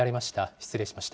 失礼しました。